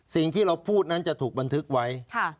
สิ่งที่เราพูดนั้นจะถูกบันทึกไว้